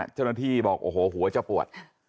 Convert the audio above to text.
เจ้าหน้าที่บอกโอ้โหหัวจะปวด